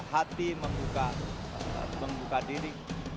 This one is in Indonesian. hati membuka membuka diri